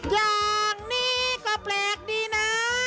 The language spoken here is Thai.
อย่างนี้ก็แปลกดีนะ